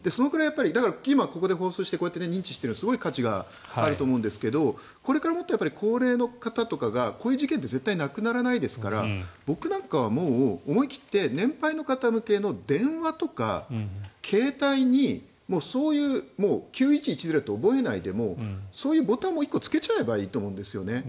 今、ここで放送して認知しているのはすごい価値があると思うんですがこれからもっと高齢の方とかがこういう事件って絶対なくならないですから僕なんかは、もう思い切って年配の方向けの電話とか携帯にそういう「＃９１１０」って覚えないでもそういうボタンも１個つけちゃえばいいと思うんですよね。